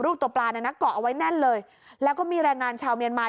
ตัวปลาน่ะนะเกาะเอาไว้แน่นเลยแล้วก็มีแรงงานชาวเมียนมา